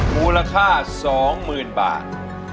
มูลค่าสองหมื่นบาท